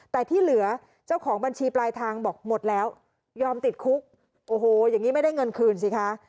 แต่ที่เหลือเจ้าของบัญชีปลายทางบอกหมดแล้วยอมติดคุกโอ้โหอย่างนี้ไม่ได้เงินคืนสิคะ